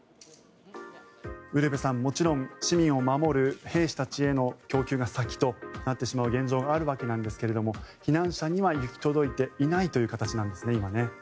ウルヴェさん、もちろん市民を守る兵士たちへの供給が先となってしまう現状があるわけなんですが避難者には行き届いていないという形なんですね。